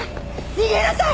逃げなさい！